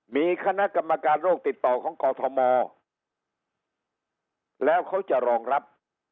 มีคณะกรรมการโรคติดต่อของกอทมแล้วเขาจะรองรับ